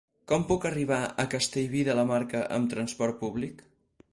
Com puc arribar a Castellví de la Marca amb trasport públic?